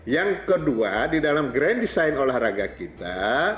yang kedua di dalam grand design olahraga kita